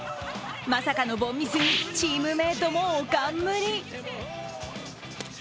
まさかの凡ミスにチームメートもおかんむり。